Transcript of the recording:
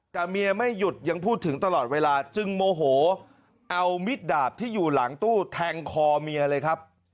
แต่เมียไม่หยุดยังพูดถึงตลอดเวลาจึงโมโหเอามิดดาบที่อยู่หลังตู้แทงคอเมียเลยครับ